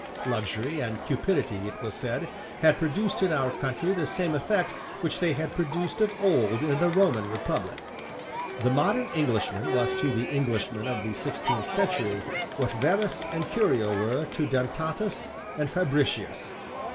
Luxury and cupidity, it was said, had produced in our country the same effect which they had produced of old in the Roman republic. The modern Englishman was to the Englishman of the sixteenth century what Verres and Curio were to Dentatus and Fabricius.